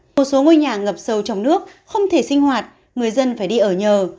một số ngôi nhà ngập sâu trong nước không thể sinh hoạt người dân phải đi ở nhờ